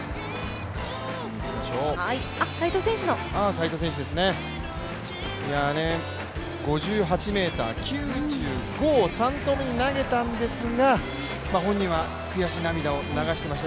斉藤選手の５８ｍ９５を３投目に投げたんですが本人は悔し涙を流していました。